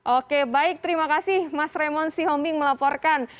oke baik terima kasih mas remon sihombing melaporkan